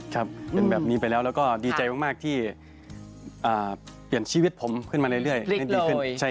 ครับเป็นแบบนี้ไปแล้วแล้วก็ดีใจมากที่เปลี่ยนชีวิตผมขึ้นมาเรื่อยให้ดีขึ้น